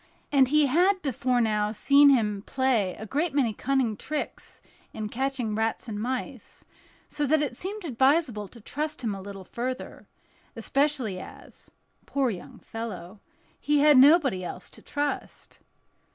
And he had before now seen him play a great many cunning tricks in catching rats and mice, so that it seemed advisable to trust him a little further; especially as—poor young fellow—he had nobody else to trust.